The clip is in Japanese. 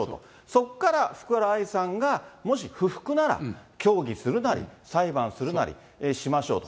そこから福原愛さんがもし不服なら協議するなり、裁判するなりしましょうと。